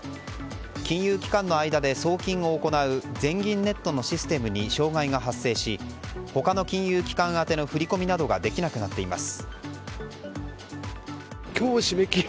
金融機関の間で送金を行う全銀ネットのシステムに障害が発生し他の金融機関当ての振り込みができなくなっています。